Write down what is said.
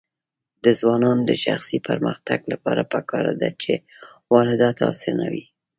د ځوانانو د شخصي پرمختګ لپاره پکار ده چې واردات اسانوي.